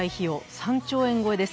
３兆円超えです。